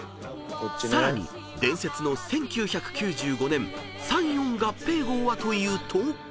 ［さらに伝説の１９９５年３・４合併号はというと］